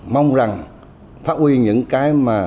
mong rằng phát huy những cái mà